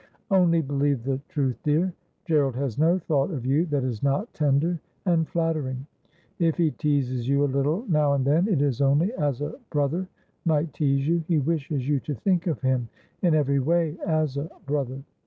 ' Only believe the truth, dear. Gerald has no thought of you that is not tender and flattering. If he teases you a little 182 Asphodel. now and then it is only as a brother might tease yoa. He wishes you to think of him in every way as a brother.